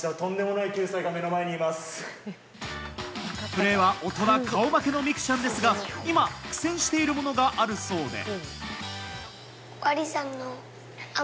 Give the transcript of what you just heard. プレーは大人顔負けの美空ちゃんですが今、苦戦しているものがあるそうで。